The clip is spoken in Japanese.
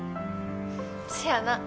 せやな